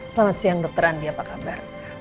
selamat siang dr andi apa kabar